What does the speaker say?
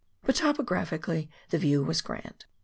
But, topographically, the view was grand.